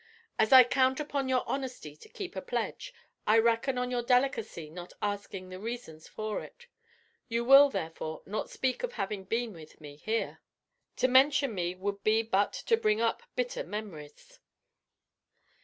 As I count upon your honesty to keep a pledge, I reckon on your delicacy not asking the reasons for it. You will, therefore, not speak of having been with me here. To mention me would be but to bring up bitter memories."